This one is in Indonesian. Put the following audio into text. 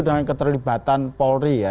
dengan keterlibatan polri ya